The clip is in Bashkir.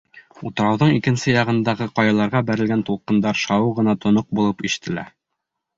Утрауҙың икенсе яғындағы ҡаяларға бәрелгән тулҡындар шауы ғына тоноҡ булып ишетелә.